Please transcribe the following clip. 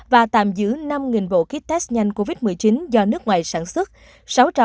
và tạm giữ năm vộ ký test nhanh covid một mươi chín do nước ngoài sản xuất